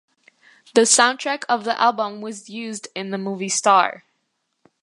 The soundtrack of the album was used in the movie Star.